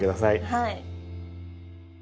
はい！